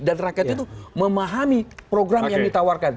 dan rakyat itu memahami program yang ditawarkan